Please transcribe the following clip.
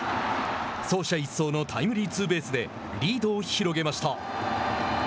走者一掃のタイムリーツーベースでリードを広げました。